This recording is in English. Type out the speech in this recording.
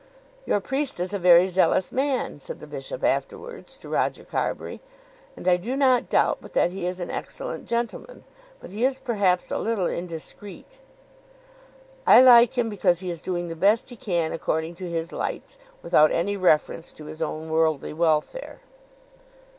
"Your priest is a very zealous man," said the bishop afterwards to Roger Carbury, "and I do not doubt but that he is an excellent gentleman; but he is perhaps a little indiscreet." "I like him because he is doing the best he can according to his lights; without any reference to his own worldly welfare."